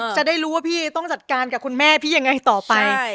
จะได้รู้ว่าพี่ต้องจัดการกับคุณแม่พี่ยังไงต่อไป